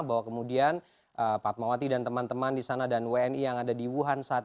bahwa kemudian pak tmawati dan teman teman di sana dan wni yang ada di wuhan kita bisa melakukan proses evakuasi